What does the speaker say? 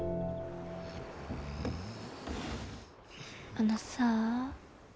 あのさあ。